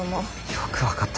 よく分かったね。